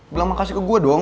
bilang makasih ke gue dong